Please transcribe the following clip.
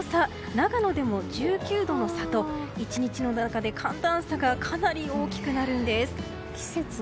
長野でも１９度の差と１日の中で寒暖差がかなり大きくなるんです。